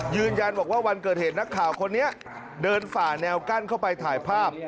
ยืนยันบอกว่าวันเกิดเหตุนักข่าวคนนี้เดินฝ่าแนวกั้นเข้าไปถ่ายภาพ